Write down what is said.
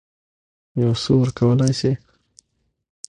یو څه ورکولای سي.